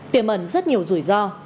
tiềm ẩn rất nhiều rủi ro